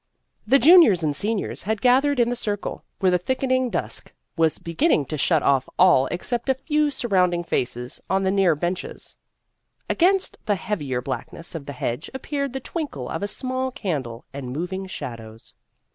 The juniors and seniors had gathered in For the Honor of the Class 155 the Circle, where the thickening dusk was beginning to shut off all except a few sur rounding faces on the near benches. Against the heavier blackness of the hedge appeared the twinkle of a small candle and moving shadows.